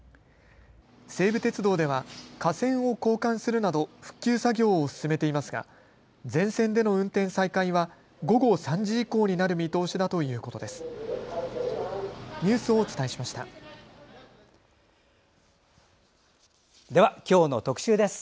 西武鉄道では架線を交換するなど復旧作業を進めていますが全線での運転再開は午後３時以降になる見通しだということです。